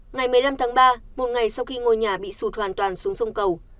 ngày một mươi năm tháng ba một ngày sau khi ngôi nhà bị sụt hoàn toàn xuống sông cầu